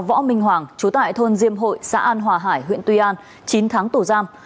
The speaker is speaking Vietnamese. võ minh hoàng chú tại thôn diêm hội xã an hòa hải huyện tuy an chín tháng tù giam